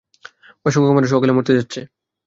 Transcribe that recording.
অসংখ্য মানুষ অকালে মরতে যাচ্ছে!